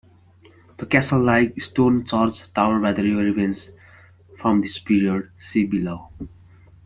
The castle-like stone church tower by the river remains from this period, see below.